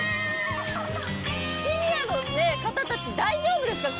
シニアの方たち大丈夫ですか？